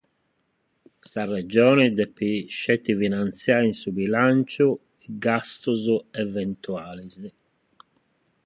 Sa Regione devet petzi finantziare in su bilàntziu sos gastos eventuales.